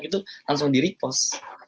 itu langsung di repost